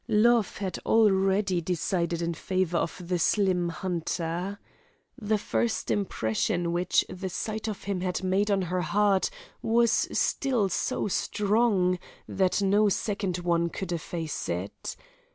Love had already decided in favour of the slim hunter. The first impression which the sight of him had made on her heart was still so strong, that no second one could efface it.